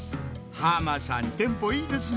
浜さんテンポいいですねぇ！